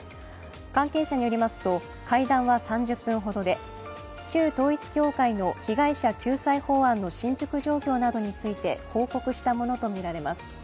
関係者によりますと会談は３０分ほどで旧統一教会の被害者級殺意法案の進ちょく状況などについて報告したものとみられます。